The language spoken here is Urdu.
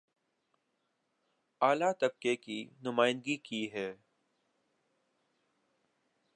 اعلی طبقے کی نمائندگی کی ہے